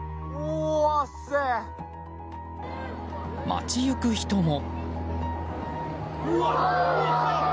街行く人も。